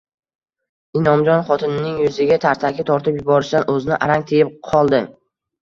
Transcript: Inomjon xotinining yuziga tarsaki tortib yuborishdan o`zini arang tiyib qoldi